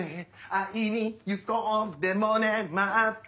会いに行こうでもね待って